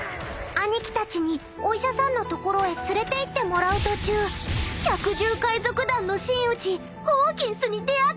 ［兄貴たちにお医者さんの所へ連れていってもらう途中百獣海賊団の真打ちホーキンスに出会ってしまったでやんす］